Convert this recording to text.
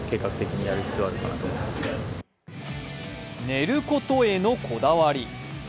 寝ることへのこだわり。